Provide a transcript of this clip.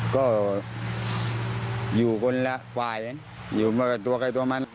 ก็อยู่คนละฝ่ายอยู่ตัวไกลตัวมัน